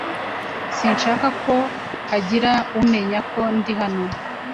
Sinshaka ko hagira umenya ko ndi hano.